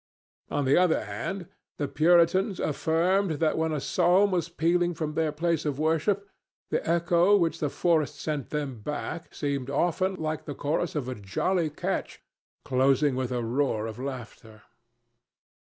On the other hand, the Puritans affirmed that when a psalm was pealing from their place of worship the echo which the forest sent them back seemed often like the chorus of a jolly catch, closing with a roar of laughter.